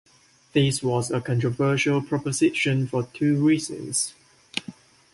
This was a controversial proposition for two reasons.